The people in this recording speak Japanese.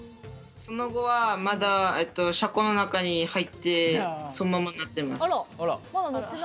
その後はまだ車庫の中に入ってそのままになってます。